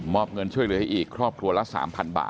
อบเงินช่วยเหลือให้อีกครอบครัวละ๓๐๐บาท